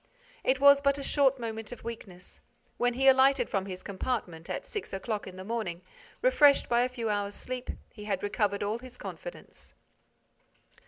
It was but a short moment of weakness. When he alighted from his compartment, at six o'clock in the morning, refreshed by a few hours' sleep, he had recovered all his confidence.